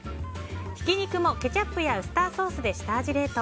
ひき肉も、ケチャップやウスターソースで下味冷凍。